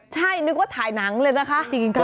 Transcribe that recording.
ใช่นึกว่าถ่ายหนังเลยนะคะจริงค่ะ